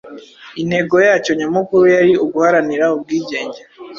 intego yacyo nyamukuru yari uguharanira ubwigenge